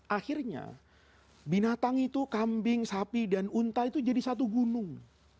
akhirnya binatang itu kambing sapi dan unta itu jadi satu gunung